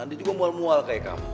dia juga mual mual kayak kamu